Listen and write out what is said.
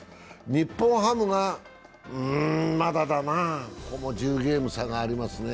日本ハムがまだだな、ここも１０ゲームの差がありますね。